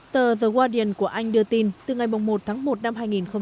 tờ the guardian của anh đưa tin từ ngày một tháng một năm hai nghìn hai mươi một